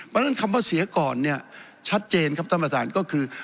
เพราะฉะนั้นคำว่าเสียก่อนเนี่ยชัดเจนครับท่านประธานก็คือ